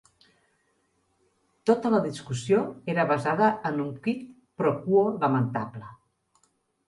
Tota la discussió era basada en un 'quid pro quo' lamentable.